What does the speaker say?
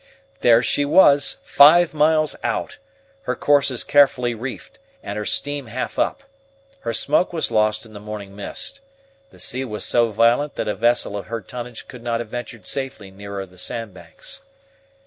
There she was, five miles out, her courses carefully reefed, and her steam half up. Her smoke was lost in the morning mist. The sea was so violent that a vessel of her tonnage could not have ventured safely nearer the sand banks.